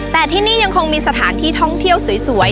แต่ที่นี่ยังคงมีสถานที่ท่องเที่ยวสวย